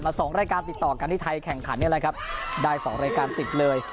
สองรายการติดต่อกันที่ไทยแข่งขันนี่แหละครับได้สองรายการติดเลย